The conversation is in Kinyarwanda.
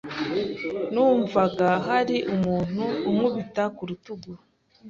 Numvaga hari umuntu unkubita ku rutugu.